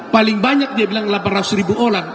paling banyak dia bilang delapan ratus ribu orang